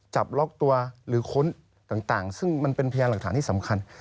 จับล็อกตัวหรือค้นต่างซึ่งมันเป็นพยานหลักฐานที่สำคัญ